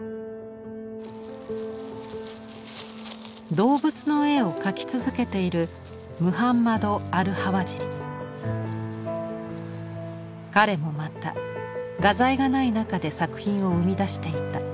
動物の絵を描き続けている彼もまた画材がない中で作品を生み出していた。